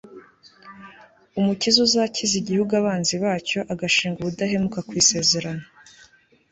umukiza uzakiza igihugu abanzi bacyo agashinga ubudahemuka ku isezerano